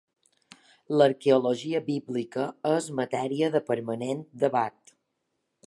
L'arqueologia bíblica és matèria de permanent debat.